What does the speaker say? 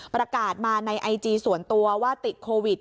ประกาศมาในไอจีส่วนตัวว่าติดโควิด